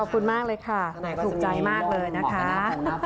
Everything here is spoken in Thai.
ขอบคุณมากเลยค่ะถูกใจมากเลยนะคะ